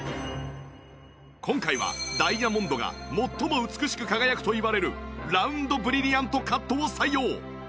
今回はダイヤモンドが最も美しく輝くといわれるラウンドブリリアントカットを採用